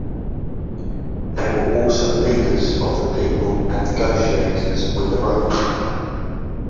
They were also leaders of the people and negotiators with the Roman Empire.